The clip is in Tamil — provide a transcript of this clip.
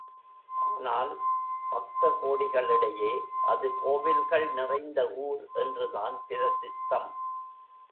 ஆனால் பக்த கோடிகளிடையே அது கோவில்கள் நிறைந்த ஊர் என்றுதான் பிரசித்தம்.